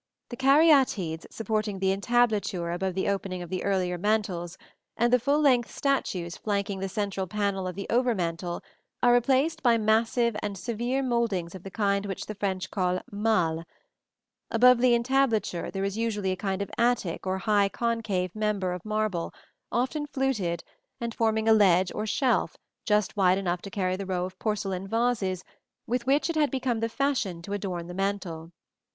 The caryatides supporting the entablature above the opening of the earlier mantels, and the full length statues flanking the central panel of the over mantel, are replaced by massive and severe mouldings of the kind which the French call mâle (see mantels in Plates V and XXXVI). Above the entablature there is usually a kind of attic or high concave member of marble, often fluted, and forming a ledge or shelf just wide enough to carry the row of porcelain vases with which it had become the fashion to adorn the mantel.